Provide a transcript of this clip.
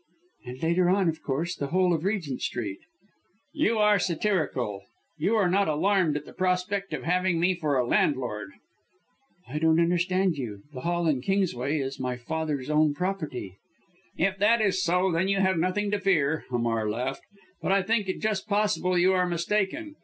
"And later on, of course, the whole of Regent Street!" "You are satirical. You are not alarmed at the prospect of having me for a landlord!" "I don't understand you! The Hall in Kingsway is my father's own property." "If that is so then you have nothing to fear," Hamar laughed, "but I think it just possible you are mistaken.